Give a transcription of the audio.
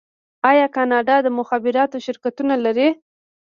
آیا کاناډا د مخابراتو شرکتونه نلري؟